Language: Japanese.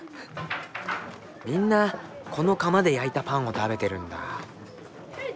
みんなこの窯で焼いたパンを食べてるんだ。